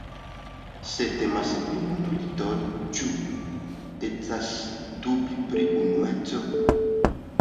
Se temas pri monolitoj, ĉu decas dubi pri unueco?